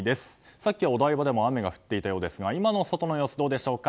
さっきはお台場でも雨が降っていたようですが今の外の様子どうでしょうか。